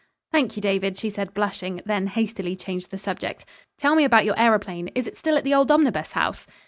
"Thank you, David," she said, blushing, then hastily changed the subject. "Tell me about your aëroplane. Is it still at the old Omnibus House?"